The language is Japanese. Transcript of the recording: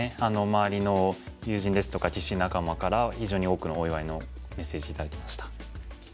周りの友人ですとか棋士仲間から非常に多くのお祝いのメッセージ頂きました。